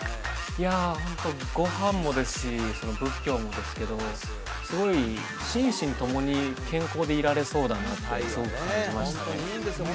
いやホントご飯もですし仏教もですけどすごい心身共に健康でいられそうだなってすごく感じましたね